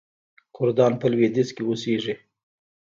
کردان په لویدیځ کې اوسیږي.